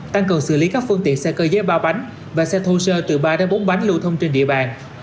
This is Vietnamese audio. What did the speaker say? tăng cường xử lý các phương tiện xe cây dây ba bánh và xe thô sơ từ ba đến bốn bánh lưu thông trên địa bàn